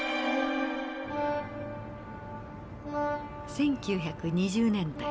１９２０年代